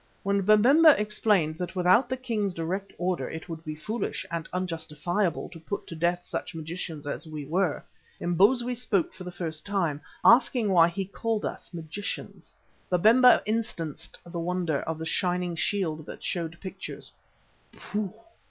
When Babemba explained that without the king's direct order it would be foolish and unjustifiable to put to death such magicians as we were, Imbozwi spoke for the first time, asking why he called us magicians. Babemba instanced the wonders of the shining shield that showed pictures. "Pooh!"